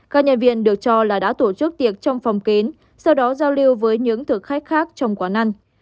các nhân viên được cho là đã tổ chức tiệc trong phòng kín sau đó giao lưu với những thực khách khác trong quán ăn